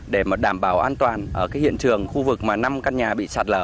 để mà đảm bảo an toàn ở cái hiện trường khu vực mà năm căn nhà bị sạt lở